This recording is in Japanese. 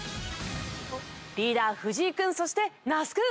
リーダー藤井君そして那須君。